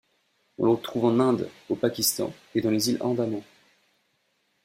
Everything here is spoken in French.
On le trouve en Inde, au Pakistan et dans les îles Andaman.